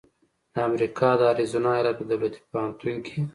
د امریکا د اریزونا ایالت په دولتي پوهنتون کې